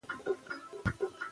هغه لا دمخه خپل درسونه ویلي وو.